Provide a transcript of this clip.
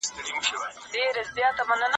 دولت پکار دی.